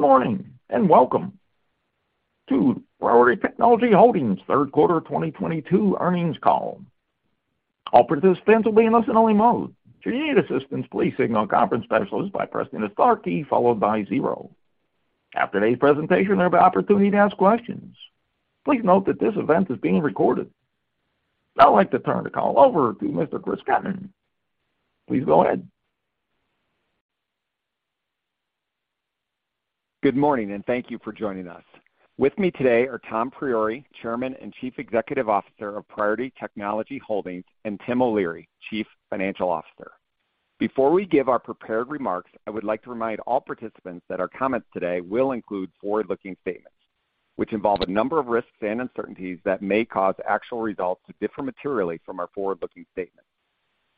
Good morning, and welcome to Priority Technology Holdings' third quarter 2022 earnings call. All participants will be in listen-only mode. If you need assistance, please signal a conference specialist by pressing the star key followed by zero. After today's presentation, there'll be opportunity to ask questions. Please note that this event is being recorded. I'd like to turn the call over to Mr. Chris Kettmann. Please go ahead. Good morning and thank you for joining us. With me today are Tom Priore, Chairman and Chief Executive Officer of Priority Technology Holdings, and Tim O'Leary, Chief Financial Officer. Before we give our prepared remarks, I would like to remind all participants that our comments today will include forward-looking statements, which involve a number of risks and uncertainties that may cause actual results to differ materially from our forward-looking statements.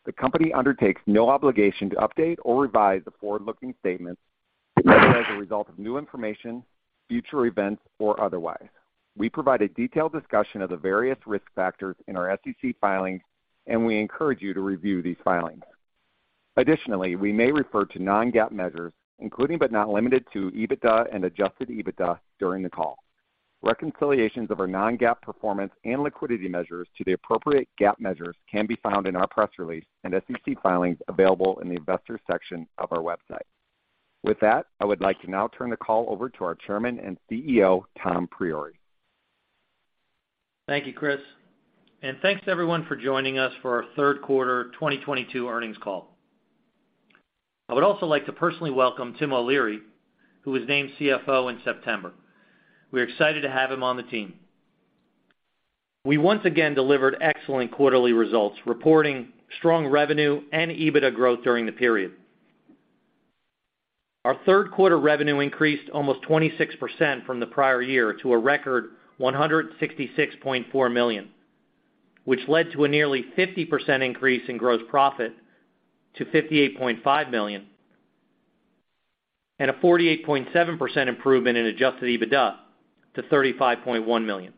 The company undertakes no obligation to update or revise the forward-looking statements, whether as a result of new information, future events, or otherwise. We provide a detailed discussion of the various risk factors in our SEC filings, and we encourage you to review these filings. Additionally, we may refer to non-GAAP measures, including, but not limited to, EBITDA and adjusted EBITDA during the call. Reconciliations of our non-GAAP performance and liquidity measures to the appropriate GAAP measures can be found in our press release and SEC filings available in the investors section of our website. With that, I would like to now turn the call over to our chairman and CEO, Tom Priore. Thank you, Chris. Thanks to everyone for joining us for our third quarter 2022 earnings call. I would also like to personally welcome Tim O'Leary, who was named CFO in September. We're excited to have him on the team. We once again delivered excellent quarterly results, reporting strong revenue and EBITDA growth during the period. Our third quarter revenue increased almost 26% from the prior year to a record $166.4 million, which led to a nearly 50% increase in gross profit to $58.5 million and a 48.7% improvement in adjusted EBITDA to $35.1 million.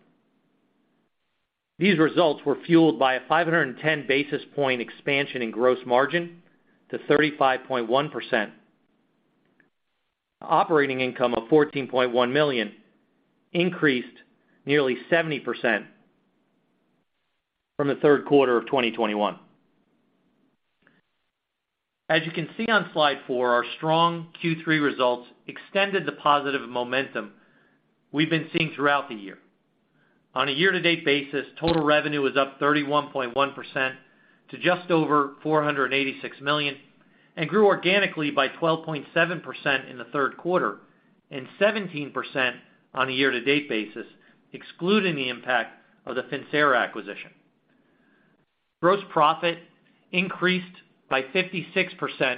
These results were fueled by a 510 basis point expansion in gross margin to 35.1%. Operating income of $14.1 million increased nearly 70% from the third quarter of 2021. As you can see on slide 4, our strong Q3 results extended the positive momentum we've been seeing throughout the year. On a year-to-date basis, total revenue is up 31.1% to just over $486 million, and grew organically by 12.7% in the third quarter and 17% on a year-to-date basis, excluding the impact of the Finxera acquisition. Gross profit increased by 56%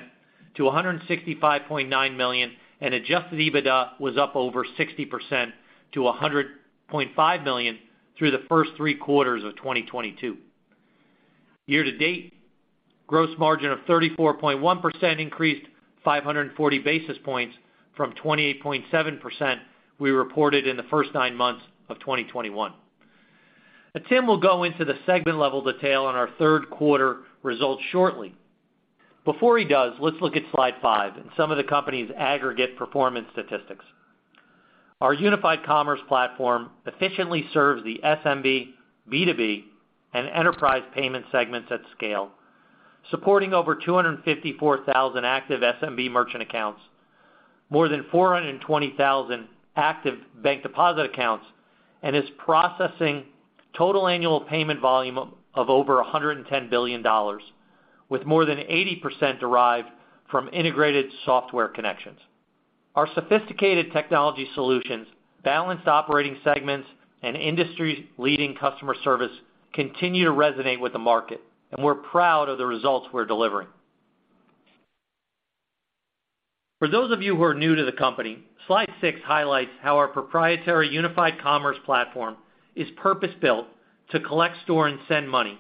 to $165.9 million, and adjusted EBITDA was up over 60% to $100.5 million through the first three quarters of 2022. Year-to-date, gross margin of 34.1% increased 540 basis points from 28.7% we reported in the first nine months of 2021. Tim will go into the segment-level detail on our third quarter results shortly. Before he does, let's look at slide 5 and some of the company's aggregate performance statistics. Our unified commerce platform efficiently serves the SMB, B2B, and enterprise payment segments at scale, supporting over 254,000 active SMB merchant accounts, more than 420,000 active bank deposit accounts, and is processing total annual payment volume of over $110 billion, with more than 80% derived from integrated software connections. Our sophisticated technology solutions, balanced operating segments, and industry-leading customer service continue to resonate with the market, and we're proud of the results we're delivering. For those of you who are new to the company, slide 6 highlights how our proprietary unified commerce platform is purpose-built to collect, store, and send money,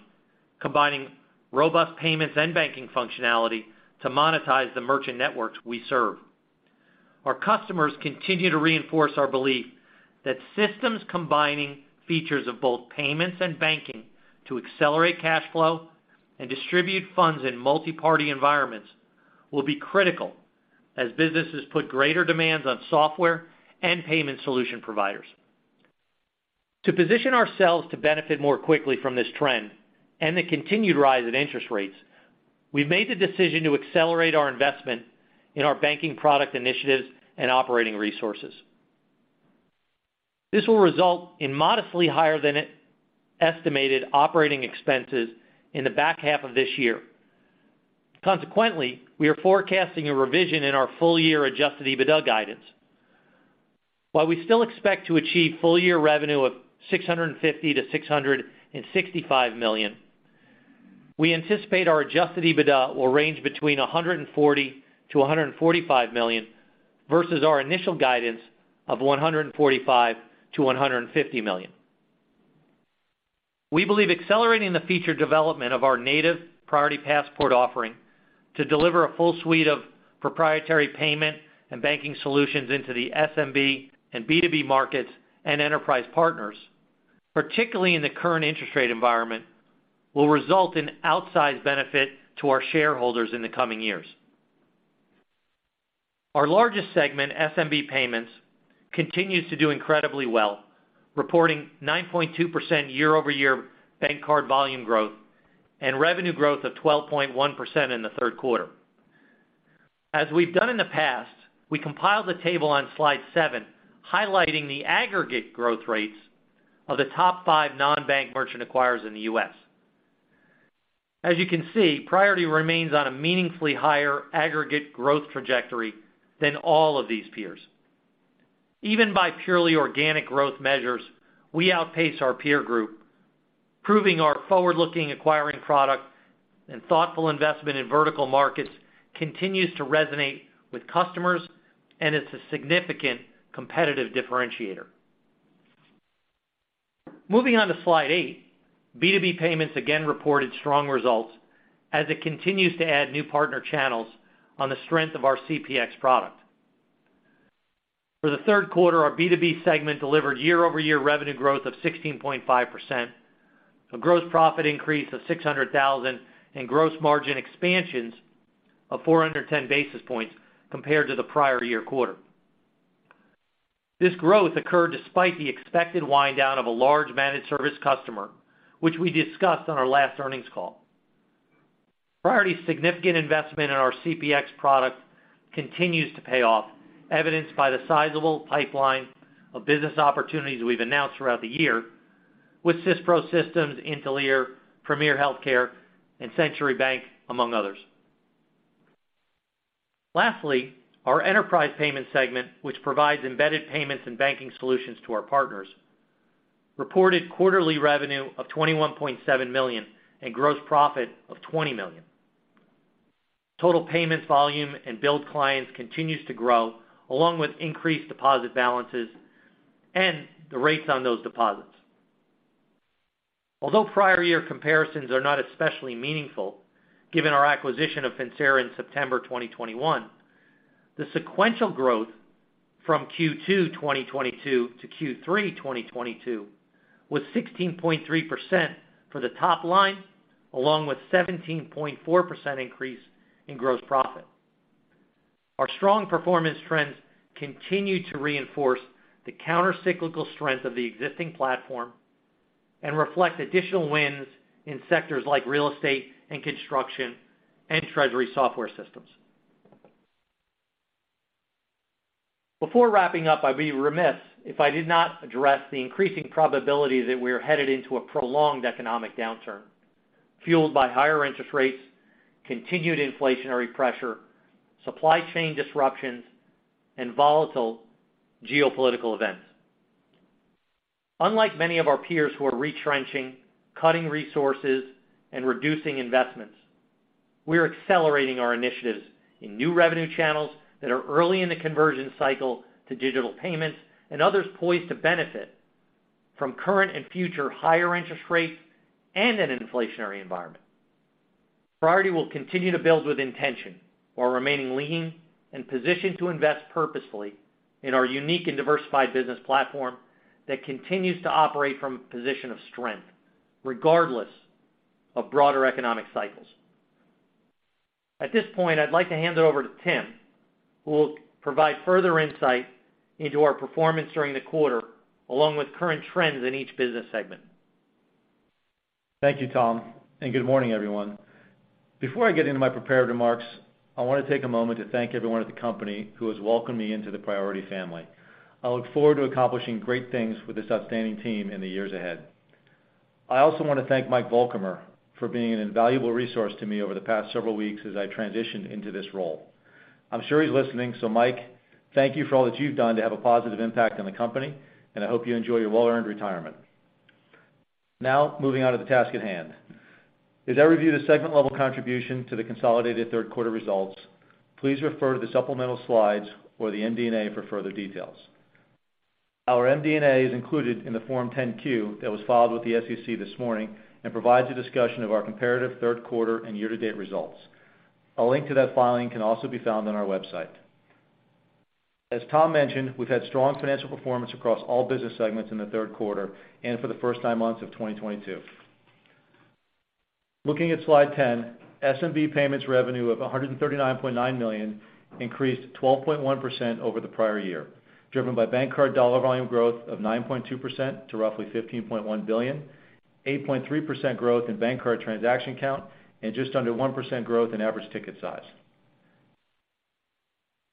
combining robust payments and banking functionality to monetize the merchant networks we serve. Our customers continue to reinforce our belief that systems combining features of both payments and banking to accelerate cash flow and distribute funds in multi-party environments will be critical as businesses put greater demands on software and payment solution providers. To position ourselves to benefit more quickly from this trend and the continued rise in interest rates, we've made the decision to accelerate our investment in our banking product initiatives and operating resources. This will result in modestly higher than estimated operating expenses in the back half of this year. Consequently, we are forecasting a revision in our full-year adjusted EBITDA guidance. While we still expect to achieve full-year revenue of $650 million-$665 million, we anticipate our adjusted EBITDA will range between $140 million-$145 million versus our initial guidance of $145 million-$150 million. We believe accelerating the feature development of our native Priority Passport offering to deliver a full suite of proprietary payment and banking solutions into the SMB and B2B markets and enterprise partners, particularly in the current interest rate environment will result in outsized benefit to our shareholders in the coming years. Our largest segment, SMB Payments, continues to do incredibly well, reporting 9.2% year-over-year bank card volume growth and revenue growth of 12.1% in the third quarter. As we've done in the past, we compiled a table on slide 7 highlighting the aggregate growth rates of the top five non-bank merchant acquirers in the U.S. As you can see, Priority remains on a meaningfully higher aggregate growth trajectory than all of these peers. Even by purely organic growth measures, we outpace our peer group, proving our forward-looking acquiring product and thoughtful investment in vertical markets continues to resonate with customers and is a significant competitive differentiator. Moving on to slide 8, B2B Payments again reported strong results as it continues to add new partner channels on the strength of our CPX product. For the third quarter, our B2B segment delivered year-over-year revenue growth of 16.5%, a gross profit increase of $600,000, and gross margin expansions of 410 basis points compared to the prior year quarter. This growth occurred despite the expected wind down of a large managed service customer, which we discussed on our last earnings call. Priority's significant investment in our CPX product continues to pay off, evidenced by the sizable pipeline of business opportunities we've announced throughout the year with SYSPRO, IntelliChief, Premier, and Century Bank, among others. Lastly, our enterprise payments segment, which provides embedded payments and banking solutions to our partners, reported quarterly revenue of $21.7 million and gross profit of $20 million. Total payments volume and B2B clients continues to grow, along with increased deposit balances and the rates on those deposits. Although prior year comparisons are not especially meaningful given our acquisition of Finxera in September 2021, the sequential growth from Q2 2022 to Q3 2022 was 16.3% for the top line, along with 17.4% increase in gross profit. Our strong performance trends continue to reinforce the countercyclical strength of the existing platform and reflect additional wins in sectors like real estate and construction and treasury software systems. Before wrapping up, I'd be remiss if I did not address the increasing probability that we are headed into a prolonged economic downturn fueled by higher interest rates, continued inflationary pressure, supply chain disruptions, and volatile geopolitical events. Unlike many of our peers who are retrenching, cutting resources, and reducing investments, we're accelerating our initiatives in new revenue channels that are early in the conversion cycle to digital payments and others poised to benefit from current and future higher interest rates and an inflationary environment. Priority will continue to build with intention while remaining lean and positioned to invest purposefully in our unique and diversified business platform that continues to operate from a position of strength regardless of broader economic cycles. At this point, I'd like to hand it over to Tim, who will provide further insight into our performance during the quarter, along with current trends in each business segment. Thank you, Tom, and good morning, everyone. Before I get into my prepared remarks, I want to take a moment to thank everyone at the company who has welcomed me into the Priority family. I look forward to accomplishing great things with this outstanding team in the years ahead. I also want to thank Mike Vollkommer for being an invaluable resource to me over the past several weeks as I transitioned into this role. I'm sure he's listening. Mike, thank you for all that you've done to have a positive impact on the company, and I hope you enjoy your well-earned retirement. Now moving on to the task at hand. As I review the segment level contribution to the consolidated third quarter results, please refer to the supplemental slides or the MD&A for further details. Our MD&A is included in the Form 10-Q that was filed with the SEC this morning and provides a discussion of our comparative third quarter and year-to-date results. A link to that filing can also be found on our website. As Tom mentioned, we've had strong financial performance across all business segments in the third quarter and for the first nine months of 2022. Looking at slide 10, SMB Payments revenue of $139.9 million increased 12.1% over the prior year, driven by bank card dollar volume growth of 9.2% to roughly $15.1 billion, 8.3% growth in bank card transaction count, and just under 1% growth in average ticket size.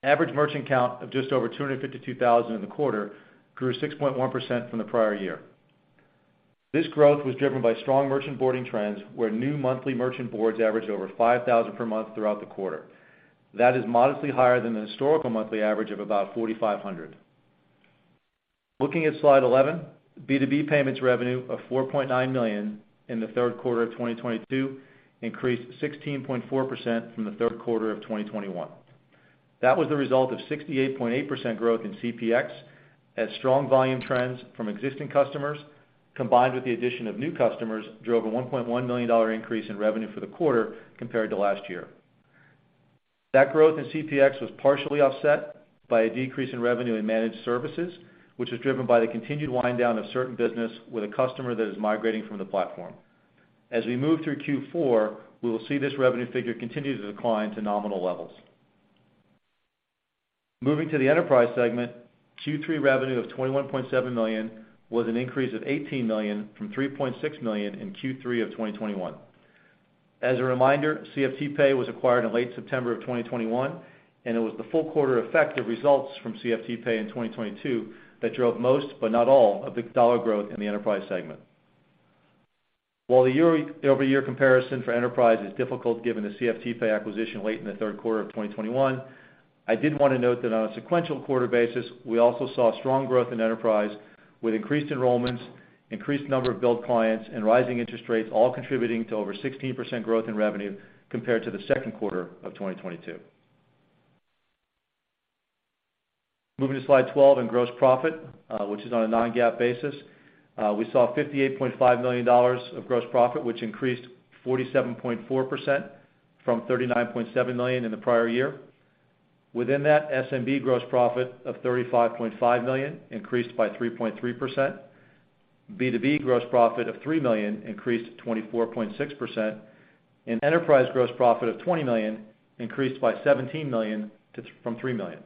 Average merchant count of just over 252,000 in the quarter grew 6.1% from the prior year. This growth was driven by strong merchant boarding trends, where new monthly merchant boards averaged over 5,000 per month throughout the quarter. That is modestly higher than the historical monthly average of about 4,500. Looking at slide 11, B2B Payments revenue of $4.9 million in the third quarter of 2022 increased 16.4% from the third quarter of 2021. That was the result of 68.8% growth in CPX as strong volume trends from existing customers combined with the addition of new customers drove a $1.1 million increase in revenue for the quarter compared to last year. That growth in CPX was partially offset by a decrease in revenue in managed services, which was driven by the continued wind down of certain business with a customer that is migrating from the platform. As we move through Q4, we will see this revenue figure continue to decline to nominal levels. Moving to the enterprise segment, Q3 revenue of $21.7 million was an increase of $18 million from $3.6 million in Q3 of 2021. As a reminder, CFTPay was acquired in late September of 2021, and it was the full quarter effect of results from CFTPay in 2022 that drove most, but not all, of the dollar growth in the enterprise segment. While the year-over-year comparison for enterprise is difficult given the CFTPay acquisition late in the third quarter of 2021, I did want to note that on a sequential quarter basis, we also saw strong growth in enterprise with increased enrollments, increased number of B2B clients and rising interest rates, all contributing to over 16% growth in revenue compared to the second quarter of 2022. Moving to slide 12 in gross profit, which is on a non-GAAP basis, we saw $58.5 million of gross profit, which increased 47.4% from $39.7 million in the prior year. Within that, SMB gross profit of $35.5 million increased by 3.3%. B2B gross profit of $3 million increased 24.6%, and enterprise gross profit of $20 million increased by $17 million from $3 million.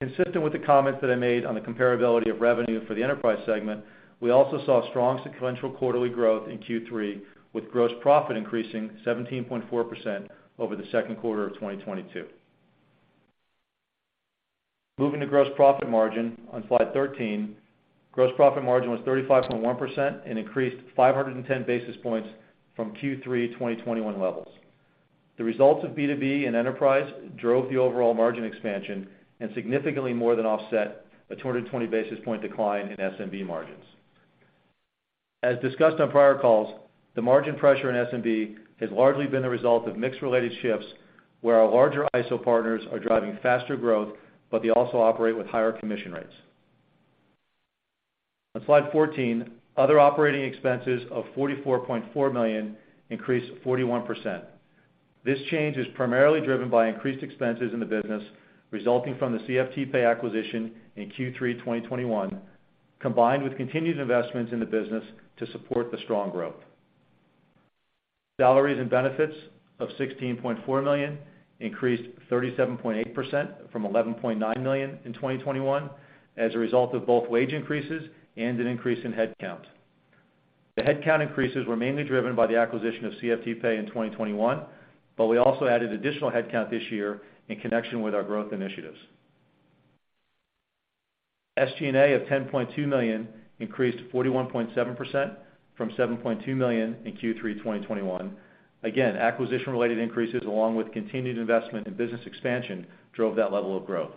Consistent with the comments that I made on the comparability of revenue for the enterprise segment, we also saw strong sequential quarterly growth in Q3, with gross profit increasing 17.4% over the second quarter of 2022. Moving to gross profit margin on slide 13. Gross profit margin was 35.1% and increased 510 basis points from Q3 2021 levels. The results of B2B and Enterprise drove the overall margin expansion and significantly more than offset a 220 basis point decline in SMB margins. As discussed on prior calls, the margin pressure in SMB has largely been a result of mix-related shifts, where our larger ISO partners are driving faster growth, but they also operate with higher commission rates. On slide 14, other operating expenses of $44.4 million increased 41%. This change is primarily driven by increased expenses in the business resulting from the CFTPay acquisition in Q3 2021, combined with continued investments in the business to support the strong growth. Salaries and benefits of $16.4 million increased 37.8% from $11.9 million in 2021 as a result of both wage increases and an increase in headcount. The headcount increases were mainly driven by the acquisition of CFTPay in 2021, but we also added additional headcount this year in connection with our growth initiatives. SG&A of $10.2 million increased 41.7% from $7.2 million in Q3 2021. Again, acquisition-related increases, along with continued investment in business expansion, drove that level of growth.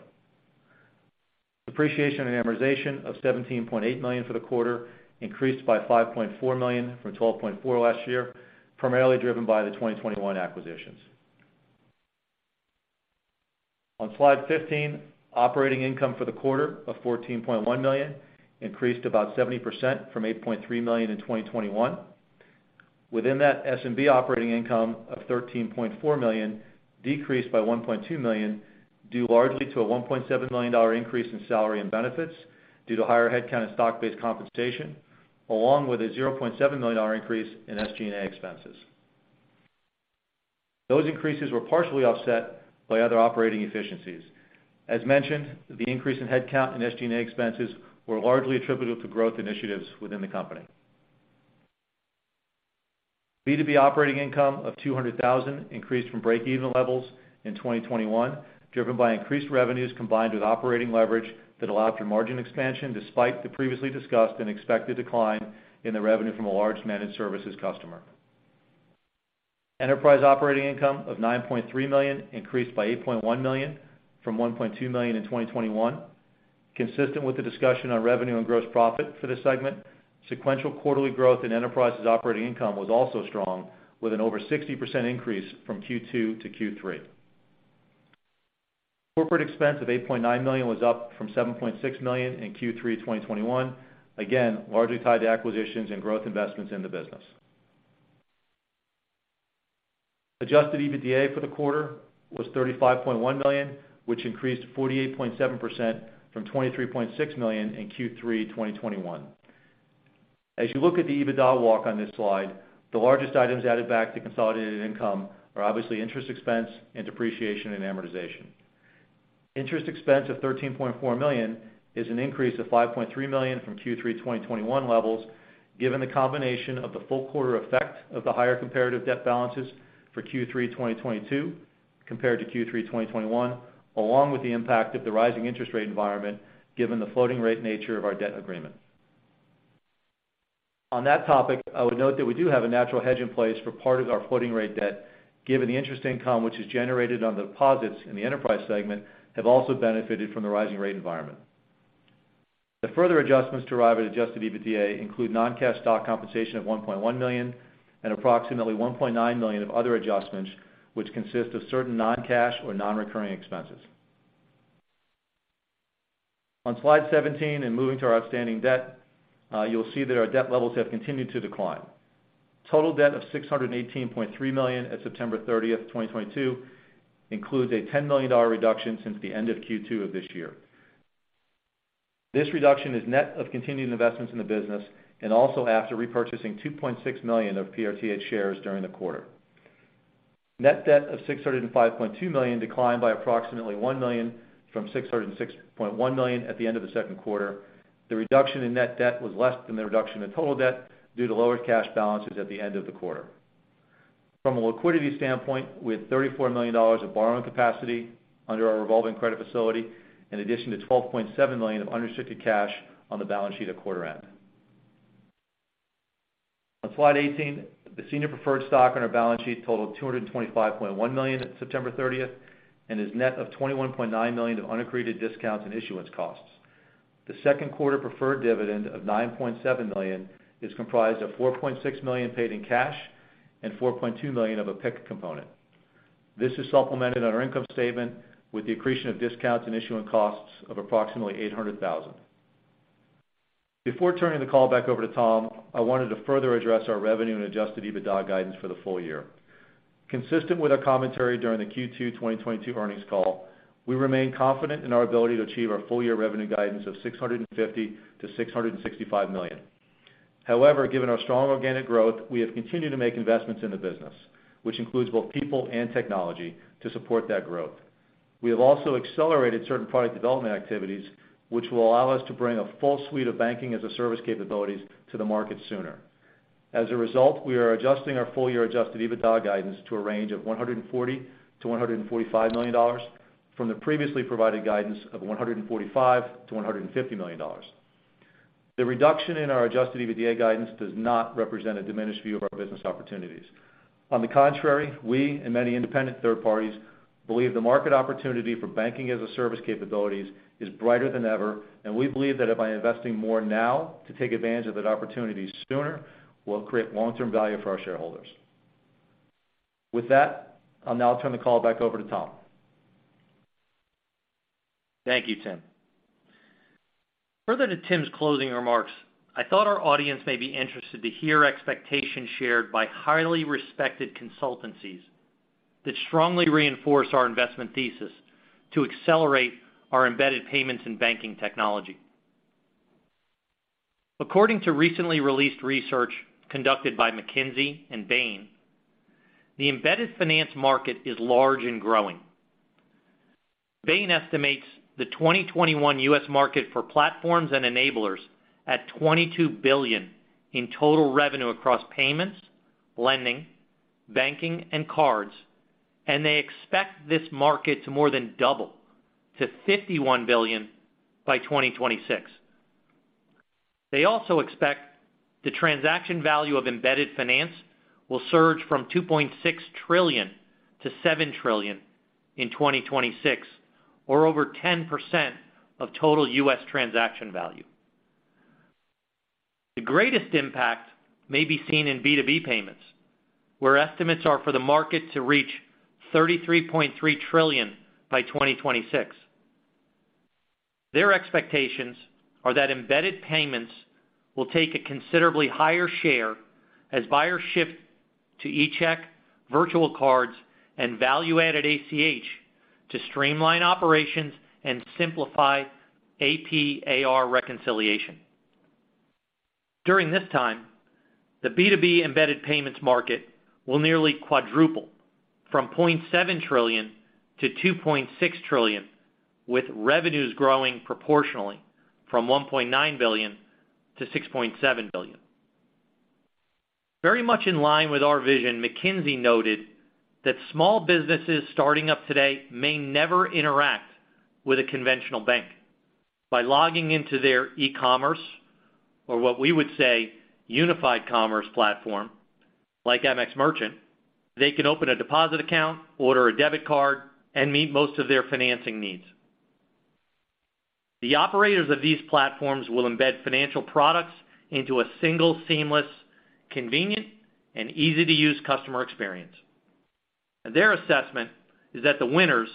Depreciation and amortization of $17.8 million for the quarter increased by $5.4 million from $12.4 million last year, primarily driven by the 2021 acquisitions. On slide 15, operating income for the quarter of $14.1 million increased about 70% from $8.3 million in 2021. Within that, SMB operating income of $13.4 million decreased by $1.2 million, due largely to a $1.7 million increase in salary and benefits due to higher headcount and stock-based compensation, along with a $0.7 million increase in SG&A expenses. Those increases were partially offset by other operating efficiencies. As mentioned, the increase in headcount and SG&A expenses were largely attributable to growth initiatives within the company. B2B operating income of $200,000 increased from break-even levels in 2021, driven by increased revenues combined with operating leverage that allowed for margin expansion despite the previously discussed and expected decline in the revenue from a large managed services customer. Enterprise operating income of $9.3 million increased by $8.1 million from $1.2 million in 2021. Consistent with the discussion on revenue and gross profit for this segment, sequential quarterly growth in enterprise's operating income was also strong, with an over 60% increase from Q2 to Q3. Corporate expense of $8.9 million was up from $7.6 million in Q3 2021, again, largely tied to acquisitions and growth investments in the business. Adjusted EBITDA for the quarter was $35.1 million, which increased 48.7% from $23.6 million in Q3 2021. As you look at the EBITDA walk on this slide, the largest items added back to consolidated income are obviously interest expense and depreciation and amortization. Interest expense of $13.4 million is an increase of $5.3 million from Q3 2021 levels given the combination of the full quarter effect of the higher comparative debt balances for Q3 2022 compared to Q3 2021, along with the impact of the rising interest rate environment given the floating rate nature of our debt agreement. On that topic, I would note that we do have a natural hedge in place for part of our floating rate debt, given the interest income which is generated on the deposits in the enterprise segment have also benefited from the rising rate environment. The further adjustments to arrive at adjusted EBITDA include non-cash stock compensation of $1.1 million and approximately $1.9 million of other adjustments which consist of certain non-cash or non-recurring expenses. On slide 17 and moving to our outstanding debt, you'll see that our debt levels have continued to decline. Total debt of $618.3 million at September 30, 2022 includes a $10 million reduction since the end of Q2 of this year. This reduction is net of continuing investments in the business and also after repurchasing 2.6 million of PRTH shares during the quarter. Net debt of $605.2 million declined by approximately $1 million from $606.1 million at the end of the second quarter. The reduction in net debt was less than the reduction in total debt due to lower cash balances at the end of the quarter. From a liquidity standpoint, we had $34 million of borrowing capacity under our revolving credit facility, in addition to $12.7 million of unrestricted cash on the balance sheet at quarter end. On slide 18, the senior preferred stock on our balance sheet totaled $225.1 million at September 30 and is net of $21.9 million of unaccreted discounts and issuance costs. The second quarter preferred dividend of $9.7 million is comprised of $4.6 million paid in cash and $4.2 million of a PIK component. This is supplemented on our income statement with the accretion of discounts and issuance costs of approximately $800,000. Before turning the call back over to Tom, I wanted to further address our revenue and adjusted EBITDA guidance for the full-year. Consistent with our commentary during the Q2 2022 earnings call, we remain confident in our ability to achieve our full-year revenue guidance of $650 million-$665 million. However, given our strong organic growth, we have continued to make investments in the business, which includes both people and technology to support that growth. We have also accelerated certain product development activities, which will allow us to bring a full suite of Banking-as-a-Service capabilities to the market sooner. As a result, we are adjusting our full-year adjusted EBITDA guidance to a range of $140 million-$145 million from the previously provided guidance of $145 million-$150 million. The reduction in our adjusted EBITDA guidance does not represent a diminished view of our business opportunities. On the contrary, we and many independent third parties believe the market opportunity for banking-as-a-service capabilities is brighter than ever, and we believe that by investing more now to take advantage of that opportunity sooner will create long-term value for our shareholders. With that, I'll now turn the call back over to Tom. Thank you, Tim. Further to Tim's closing remarks, I thought our audience may be interested to hear expectations shared by highly respected consultancies that strongly reinforce our investment thesis to accelerate our embedded payments and banking technology. According to recently released research conducted by McKinsey and Bain, the embedded finance market is large and growing. Bain estimates the 2021 U.S. market for platforms and enablers at $22 billion in total revenue across payments, lending, banking, and cards, and they expect this market to more than double to $51 billion by 2026. They also expect the transaction value of embedded finance will surge from $2.6 trillion-$7 trillion in 2026 or over 10% of total U.S. transaction value. The greatest impact may be seen in B2B payments, where estimates are for the market to reach $33.3 trillion by 2026. Their expectations are that embedded payments will take a considerably higher share as buyers shift to eCheck, virtual cards, and value-added ACH to streamline operations and simplify AP/AR reconciliation. During this time, the B2B embedded payments market will nearly quadruple from $0.7 trillion to $2.6 trillion, with revenues growing proportionally from $1.9 billion to $6.7 billion. Very much in line with our vision, McKinsey noted that small businesses starting up today may never interact with a conventional bank. By logging into their e-commerce or what we would say unified commerce platform like MX Merchant, they can open a deposit account, order a debit card, and meet most of their financing needs. The operators of these platforms will embed financial products into a single seamless, convenient, and easy-to-use customer experience. Their assessment is that the winners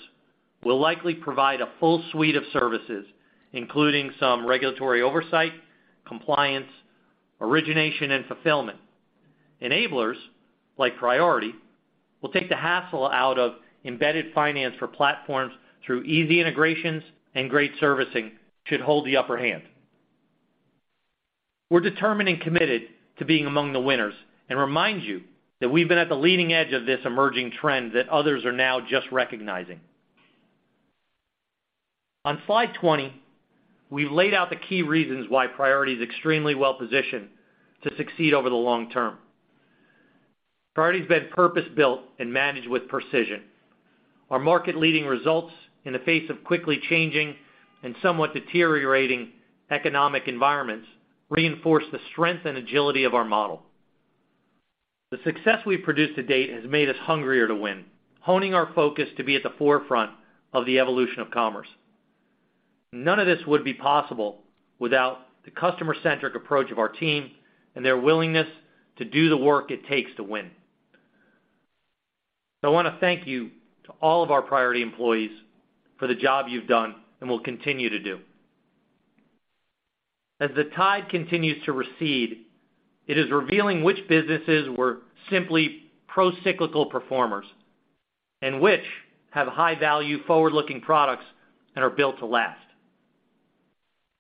will likely provide a full suite of services, including some regulatory oversight, compliance, origination, and fulfillment. Enablers like Priority will take the hassle out of embedded finance for platforms through easy integrations and great servicing should hold the upper hand. We're determined and committed to being among the winners and remind you that we've been at the leading edge of this emerging trend that others are now just recognizing. On slide 20, we've laid out the key reasons why Priority is extremely well-positioned to succeed over the long term. Priority has been purpose-built and managed with precision. Our market-leading results in the face of quickly changing and somewhat deteriorating economic environments reinforce the strength and agility of our model. The success we've produced to date has made us hungrier to win, honing our focus to be at the forefront of the evolution of commerce. None of this would be possible without the customer-centric approach of our team and their willingness to do the work it takes to win. I wanna thank you to all of our Priority employees for the job you've done and will continue to do. As the tide continues to recede, it is revealing which businesses were simply pro-cyclical performers and which have high value forward-looking products and are built to last.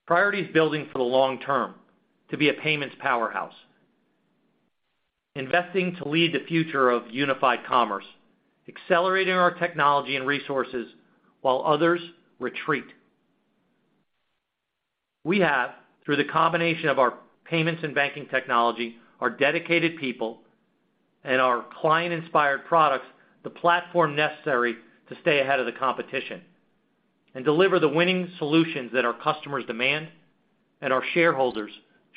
Priority is building for the long term to be a payments powerhouse. Investing to lead the future of unified commerce, accelerating our technology and resources while others retreat. We have, through the combination of our payments and banking technology, our dedicated people and our client-inspired products, the platform necessary to stay ahead of the competition and deliver the winning solutions that our customers demand and our shareholders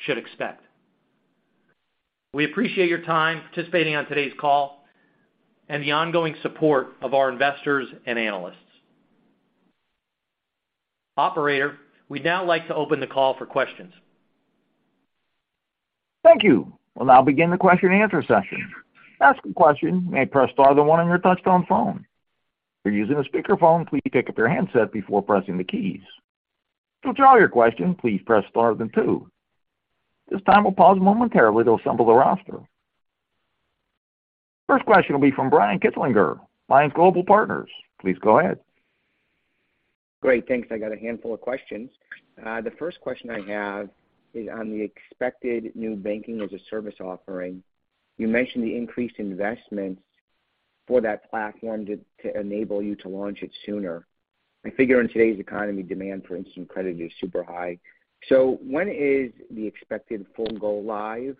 should expect. We appreciate your time participating on today's call and the ongoing support of our investors and analysts. Operator, we'd now like to open the call for questions. Thank you. We'll now begin the question and answer session. To ask a question, press star then one on your touchtone phone. If you're using a speakerphone, please pick up your handset before pressing the keys. To withdraw your question, please press star then two. This time, we'll pause momentarily to assemble the roster. First question will be from Brian Kinstlinger, Alliance Global Partners. Please go ahead. Great, thanks. I got a handful of questions. The first question I have is on the expected new Banking-as-a-Service offering. You mentioned the increased investments for that platform to enable you to launch it sooner. I figure in today's economy, demand for instant credit is super high. When is the expected full go live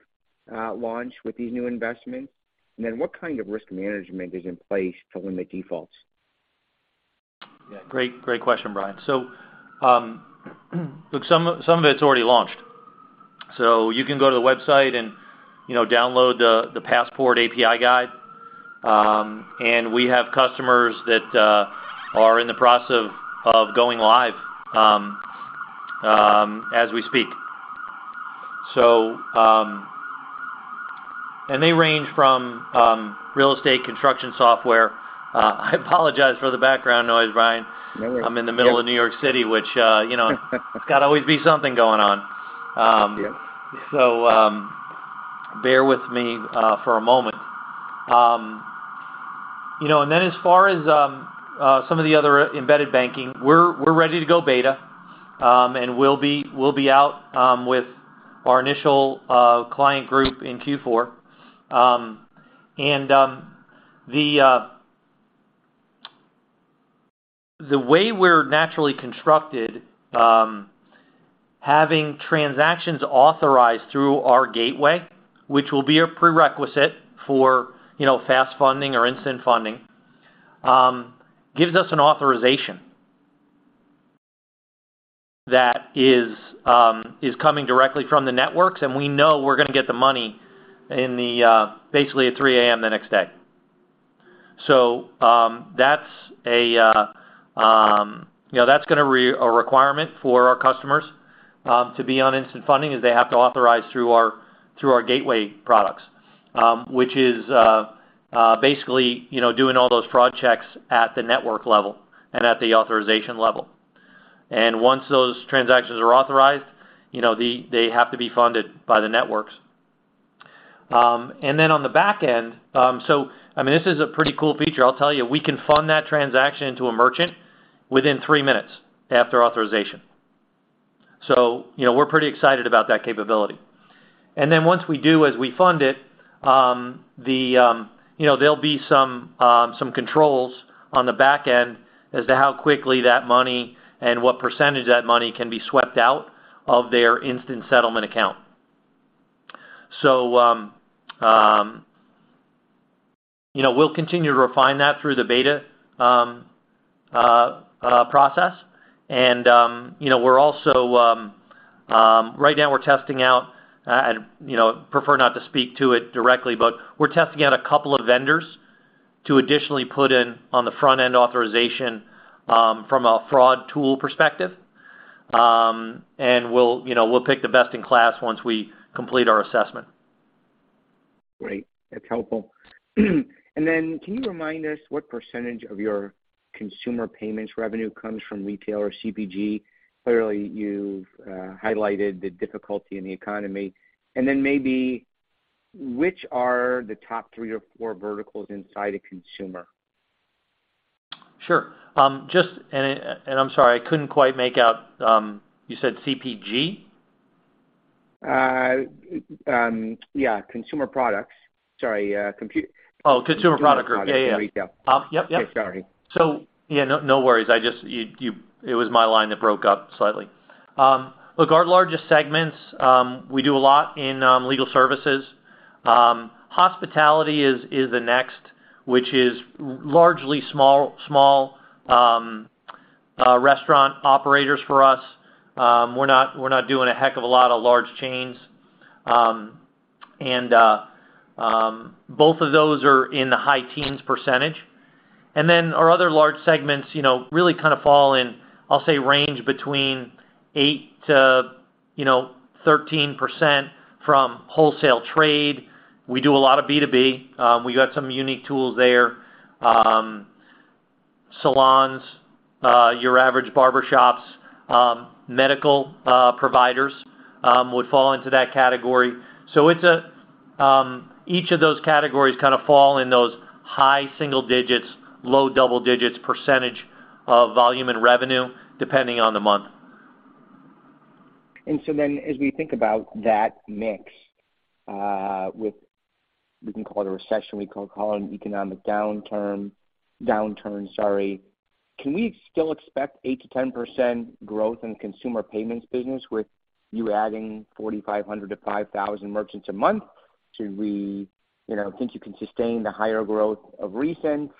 launch with these new investments? And then what kind of risk management is in place to limit defaults? Yeah, great question, Brian. Look, some of it's already launched. You can go to the website and, you know, download the passport API guide. We have customers that are in the process of going live as we speak. They range from real estate construction software. I apologize for the background noise, Brian. No worries. Yep. I'm in the middle of New York City, which, you know, it's gotta always be something going on. Yep. Bear with me for a moment. You know, as far as some of the other embedded banking, we're ready to go beta, and we'll be out with our initial client group in Q4. The way we're naturally constructed, having transactions authorized through our gateway, which will be a prerequisite for, you know, fast funding or instant funding, gives us an authorization that is coming directly from the networks, and we know we're gonna get the money in the bank basically at 3 A.M. the next day. That's a requirement for our customers to be on instant funding, is they have to authorize through our gateway products, which is basically, you know, doing all those fraud checks at the network level and at the authorization level. Once those transactions are authorized, you know, they have to be funded by the networks. Then on the back end, I mean, this is a pretty cool feature. I'll tell you. We can fund that transaction to a merchant within three minutes after authorization. You know, we're pretty excited about that capability. Then once we do, as we fund it, you know, there'll be some controls on the back end as to how quickly that money and what percentage of that money can be swept out of their instant settlement account. We'll continue to refine that through the beta process. You know, we're also right now testing out, and you know, prefer not to speak to it directly, but we're testing out a couple of vendors to additionally put in on the front-end authorization, from a fraud tool perspective. We'll, you know, pick the best in class once we complete our assessment. Great. That's helpful. Can you remind us what percentage of your consumer payments revenue comes from retail or CPG? Clearly, you've highlighted the difficulty in the economy. Maybe which are the top three or four verticals inside a consumer? Sure. I'm sorry, I couldn't quite make out, you said CPG? Consumer products. Oh, CPG. Consumer products and retail. Yeah. Yep. Okay, sorry. No worries. It was my line that broke up slightly. Look, our largest segments, we do a lot in legal services. Hospitality is the next, which is largely small restaurant operators for us. We're not doing a heck of a lot of large chains. Both of those are in the high teens percentage. Our other large segments, you know, really kind of fall in, I'll say range between 8% to, you know, 13% from wholesale trade. We do a lot of B2B, we got some unique tools there. Salons, your average barbershops, medical providers, would fall into that category. It's each of those categories kind of fall in those high single digits, low double digits percentage of volume and revenue depending on the month. As we think about that mix, with, we can call it a recession, we can call it an economic downturn, can we still expect 8%-10% growth in consumer payments business with you adding 4,500-5,000 merchants a month? Should we, you know, think you can sustain the higher growth of recent? Just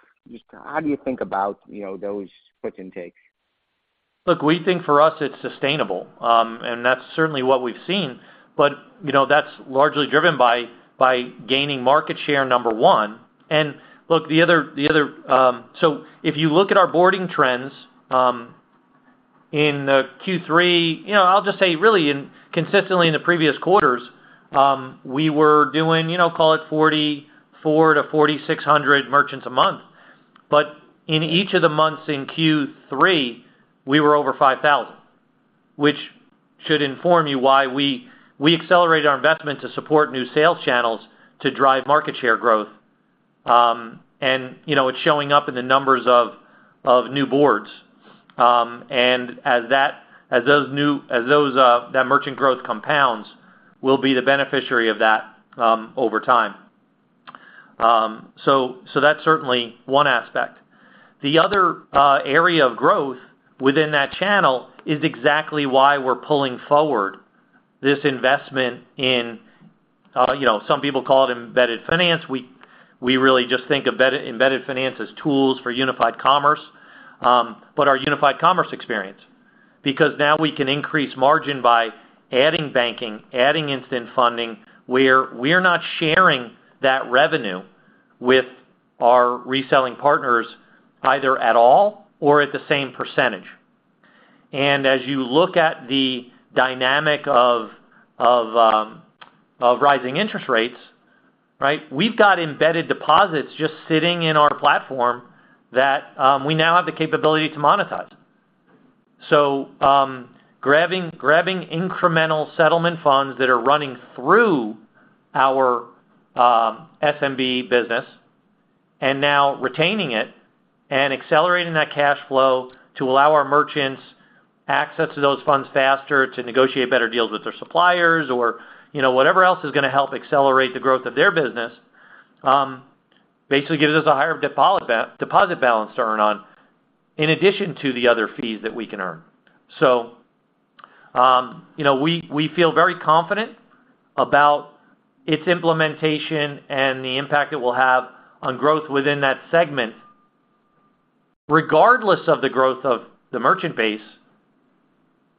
how do you think about, you know, those puts and takes? Look, we think for us it's sustainable, and that's certainly what we've seen. You know, that's largely driven by gaining market share, number one. If you look at our boarding trends in Q3, you know, I'll just say really, consistently in the previous quarters, we were doing, you know, call it 4,400-4,600 merchants a month. In each of the months in Q3, we were over 5,000, which should inform you why we accelerate our investment to support new sales channels to drive market share growth. You know, it's showing up in the numbers of new boardings. As that merchant growth compounds, we'll be the beneficiary of that over time. That's certainly one aspect. The other area of growth within that channel is exactly why we're pulling forward this investment in, you know, some people call it embedded finance. We really just think embedded finance as tools for unified commerce, but our unified commerce experience, because now we can increase margin by adding banking, adding instant funding, where we're not sharing that revenue with our reselling partners either at all or at the same percentage. As you look at the dynamic of rising interest rates, right? We've got embedded deposits just sitting in our platform that, we now have the capability to monetize. Grabbing incremental settlement funds that are running through our SMB business and now retaining it and accelerating that cash flow to allow our merchants access to those funds faster to negotiate better deals with their suppliers or, you know, whatever else is gonna help accelerate the growth of their business, basically gives us a higher deposit balance to earn on, in addition to the other fees that we can earn. You know, we feel very confident about its implementation and the impact it will have on growth within that segment, regardless of the growth of the merchant base,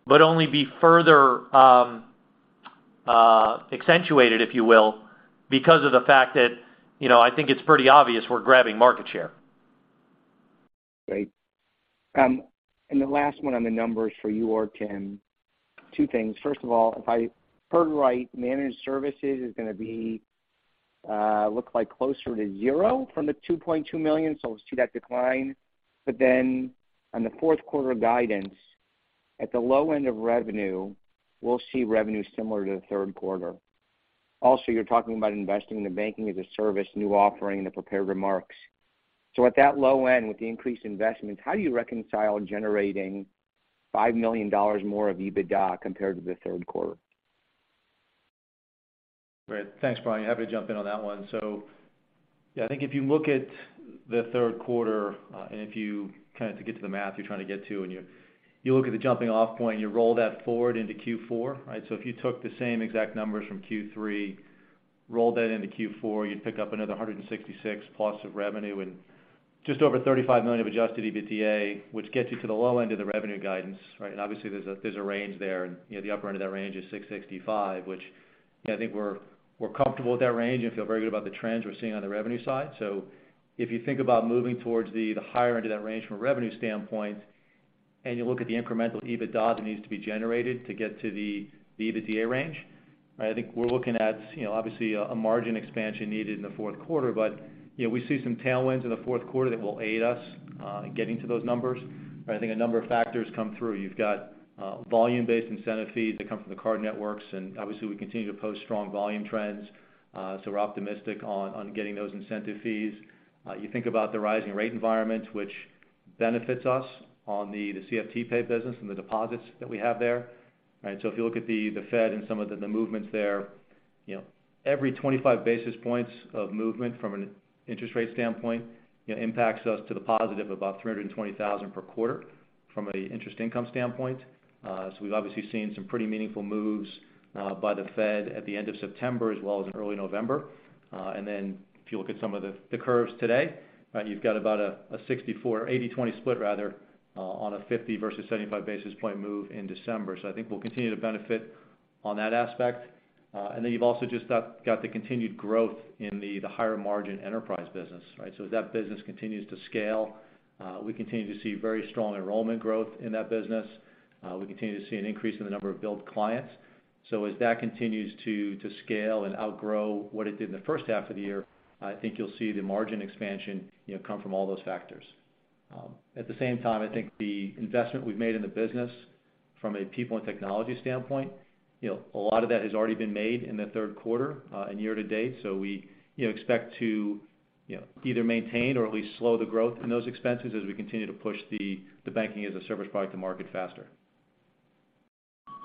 but only be further accentuated, if you will, because of the fact that, you know, I think it's pretty obvious we're grabbing market share. Great. The last one on the numbers for you, Tim O'Leary. Two things. First of all, if I heard right, managed services is gonna be look like closer to zero from the $2.2 million, so we'll see that decline. On the fourth quarter guidance, at the low end of revenue, we'll see revenue similar to the third quarter. Also, you're talking about investing in the Banking-as-a-Service new offering in the prepared remarks. At that low end with the increased investments, how do you reconcile generating $5 million more of EBITDA compared to the third quarter? Great. Thanks, Brian. Happy to jump in on that one. Yeah, I think if you look at the third quarter and if you kind of get to the math you're trying to get to, and you look at the jumping off point, you roll that forward into Q4, right? If you took the same exact numbers from Q3, rolled that into Q4, you'd pick up another $166+ million of revenue and just over $35 million of adjusted EBITDA, which gets you to the low end of the revenue guidance, right? Obviously, there's a range there, and you know, the upper end of that range is $665 million, which I think we're comfortable with that range and feel very good about the trends we're seeing on the revenue side. If you think about moving towards the higher end of that range from a revenue standpoint, and you look at the incremental EBITDA that needs to be generated to get to the EBITDA range, right? I think we're looking at, you know, obviously a margin expansion needed in the fourth quarter, but, you know, we see some tailwinds in the fourth quarter that will aid us in getting to those numbers. But I think a number of factors come through. You've got volume-based incentive fees that come from the card networks, and obviously, we continue to post strong volume trends, so we're optimistic on getting those incentive fees. You think about the rising rate environment, which benefits us on the CFTPay business and the deposits that we have there, right? If you look at the Fed and some of the movements there, you know, every 25 basis points of movement from an interest rate standpoint, you know, impacts us to the positive about $300,000 per quarter from an interest income standpoint. We've obviously seen some pretty meaningful moves by the Fed at the end of September as well as in early November. If you look at some of the curves today, right? You've got about a 64 or 80/20 split rather on a 50 versus 75 basis point move in December. I think we'll continue to benefit on that aspect, and then you've also just got the continued growth in the higher margin enterprise business, right? As that business continues to scale, we continue to see very strong enrollment growth in that business. We continue to see an increase in the number of billed clients. As that continues to scale and outgrow what it did in the first half of the year, I think you'll see the margin expansion, you know, come from all those factors. At the same time, I think the investment we've made in the business from a people and technology standpoint, you know, a lot of that has already been made in the third quarter, and year to date. We, you know, expect to, you know, either maintain or at least slow the growth in those expenses as we continue to push the Banking-as-a-Service product to market faster.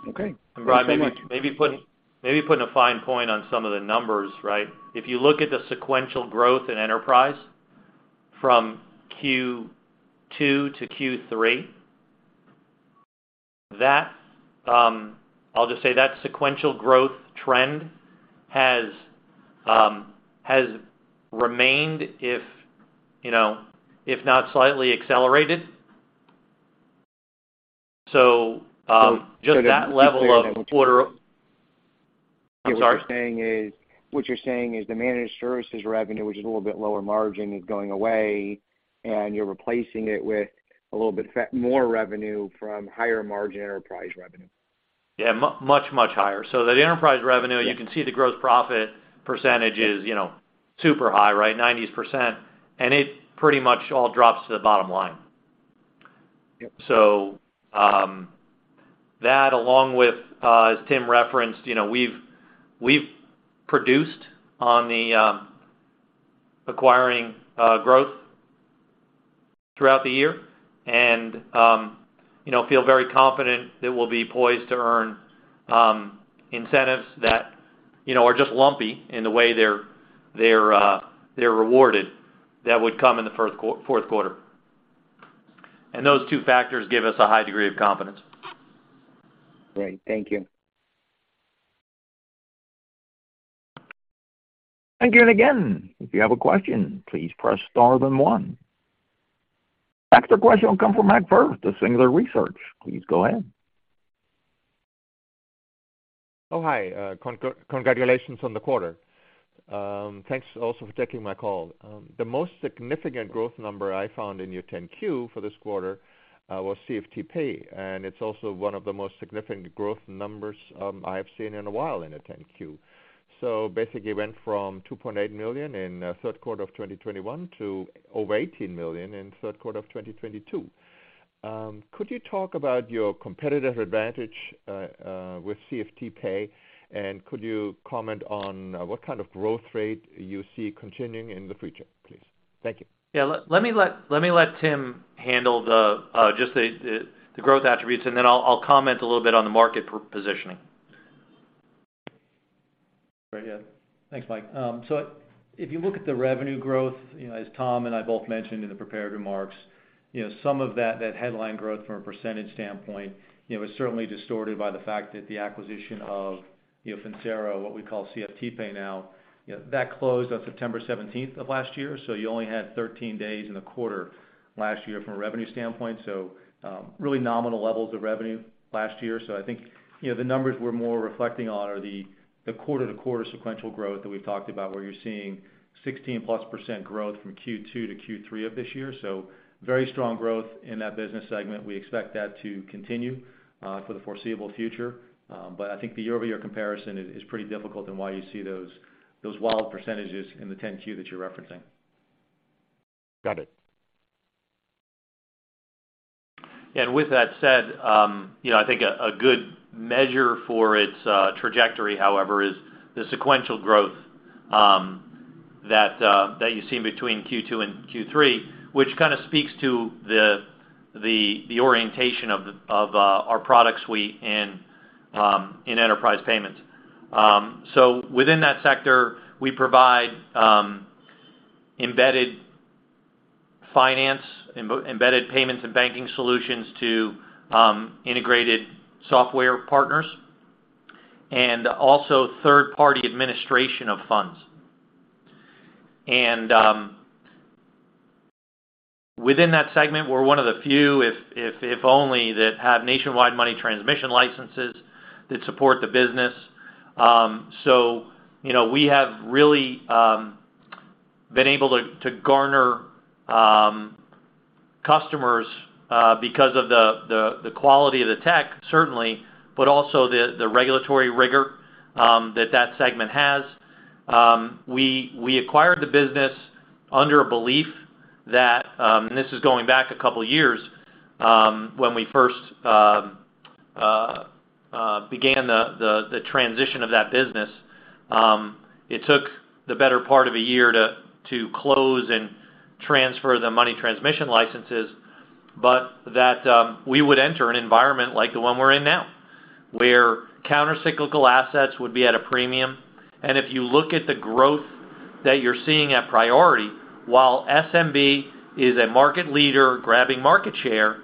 Okay. Brian, maybe putting a fine point on some of the numbers, right? If you look at the sequential growth in enterprise from Q2 to Q3, that I'll just say that sequential growth trend has remained, you know, if not slightly accelerated. What you're saying is the managed services revenue, which is a little bit lower margin, is going away, and you're replacing it with a little bit more revenue from higher margin enterprise revenue. Yeah, much higher. The enterprise revenue, you can see the gross profit percentage is, you know, super high, right? 90s%. It pretty much all drops to the bottom line. Yep. that along with, as Tim referenced, you know, we've produced on the acquiring growth throughout the year and, you know, feel very confident that we'll be poised to earn incentives that, you know, are just lumpy in the way they're rewarded that would come in the fourth quarter. Those two factors give us a high degree of confidence. Great. Thank you. Thank you. Again, if you have a question, please press star then one. Next question will come from Mac Furst with Singular Research. Please go ahead. Oh, hi. Congratulations on the quarter. Thanks also for taking my call. The most significant growth number I found in your 10-Q for this quarter was CFTPay, and it's also one of the most significant growth numbers I have seen in a while in a 10-Q. Basically went from $2.8 million in third quarter of 2021 to over $18 million in third quarter of 2022. Could you talk about your competitive advantage with CFTPay? Could you comment on what kind of growth rate you see continuing in the future, please? Thank you. Yeah, let me let Tim handle just the growth attributes, and then I'll comment a little bit on the market positioning. Right. Yeah. Thanks, Mike. If you look at the revenue growth, you know, as Tom and I both mentioned in the prepared remarks, you know, some of that headline growth from a percentage standpoint, you know, is certainly distorted by the fact that the acquisition of, you know, Finxera, what we call CFTPay now, you know, that closed on September 17th of last year. You only had 13 days in the quarter last year from a revenue standpoint. Really nominal levels of revenue last year. I think, you know, the numbers we're more reflecting on are the quarter-to-quarter sequential growth that we've talked about, where you're seeing 16%+ growth from Q2 to Q3 of this year. Very strong growth in that business segment. We expect that to continue for the foreseeable future. I think the year-over-year comparison is pretty difficult and why you see those wild percentages in the 10-Q that you're referencing. Got it. With that said, you know, I think a good measure for its trajectory, however, is the sequential growth that you see between Q2 and Q3, which kind of speaks to the orientation of our product suite in enterprise payments. Within that sector, we provide embedded finance, embedded payments and banking solutions to integrated software partners and also third-party administration of funds. Within that segment, we're one of the few, if only, that have nationwide money transmission licenses that support the business. You know, we have really been able to garner customers because of the quality of the tech, certainly, but also the regulatory rigor that segment has. We acquired the business under a belief that, and this is going back a couple years, when we first began the transition of that business. It took the better part of a year to close and transfer the money transmission licenses, but that we would enter an environment like the one we're in now, where countercyclical assets would be at a premium. If you look at the growth that you're seeing at Priority, while SMB is a market leader grabbing market share,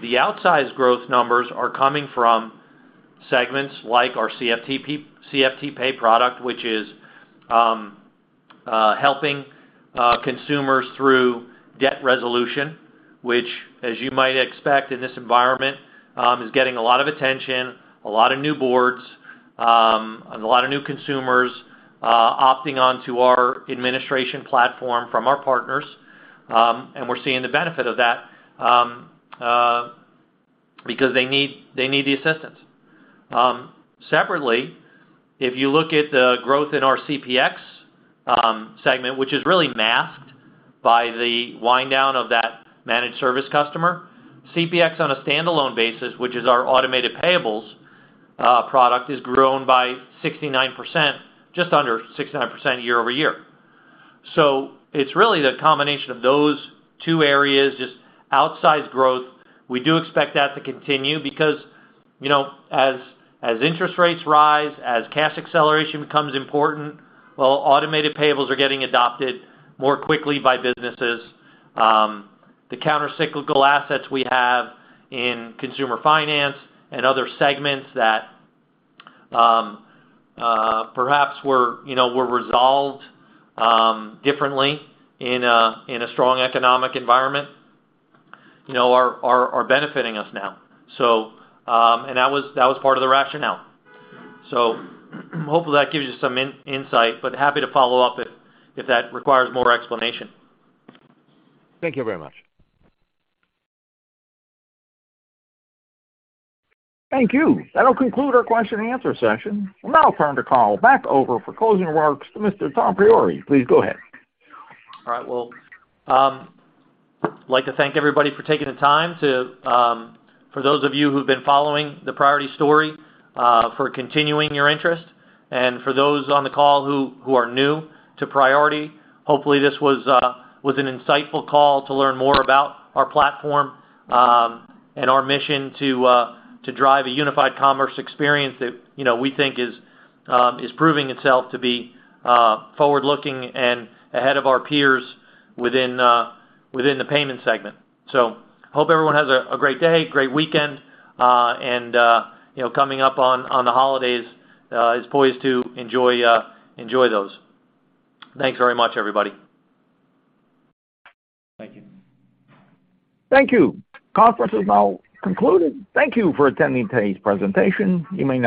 the outsized growth numbers are coming from segments like our CFTPay product, which is helping consumers through debt resolution, which as you might expect in this environment, is getting a lot of attention, a lot of new boards, and a lot of new consumers opting on to our administration platform from our partners. We're seeing the benefit of that because they need the assistance. Separately, if you look at the growth in our CPX segment, which is really masked by the wind down of that managed service customer, CPX on a standalone basis, which is our automated payables product, has grown by 69%, just under 69% year-over-year. It's really the combination of those two areas, just outsized growth. We do expect that to continue because, you know, as interest rates rise, as cash acceleration becomes important, automated payables are getting adopted more quickly by businesses. The countercyclical assets we have in consumer finance and other segments that perhaps were, you know, resolved differently in a strong economic environment, you know, are benefiting us now. And that was part of the rationale. Hopefully that gives you some insight, but happy to follow up if that requires more explanation. Thank you very much. Thank you. That'll conclude our question and answer session. We'll now turn the call back over for closing remarks to Mr. Tom Priore. Please go ahead. All right. Well, like to thank everybody for taking the time to, for those of you who've been following the Priority story, for continuing your interest, and for those on the call who are new to Priority, hopefully this was an insightful call to learn more about our platform, and our mission to drive a unified commerce experience that, you know, we think is proving itself to be forward-looking and ahead of our peers within the payment segment. Hope everyone has a great day, great weekend, and you know, coming up on the holidays, is poised to enjoy those. Thanks very much, everybody. Thank you. Thank you. Conference is now concluded. Thank you for attending today's presentation. You may now.